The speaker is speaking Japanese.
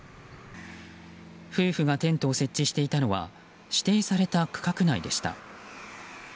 夫婦がテントを設置していたのは指定された区画内でした。